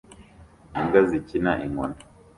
Imbwa zikina inkoni